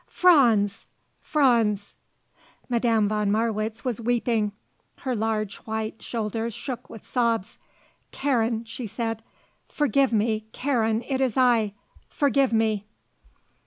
Franz! Franz!" Madame von Marwitz was weeping; her large white shoulders shook with sobs. "Karen," she said, "forgive me! Karen, it is I. Forgive me!"